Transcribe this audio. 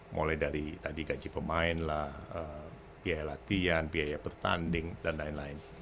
mulai dari tadi gaji pemain lah biaya latihan biaya bertanding dan lain lain